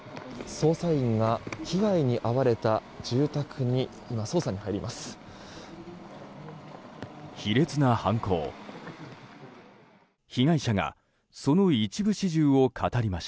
捜査員が被害に遭われた住宅に今、捜査に入ります。